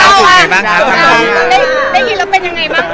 ก็คือจะกลับสุดเลย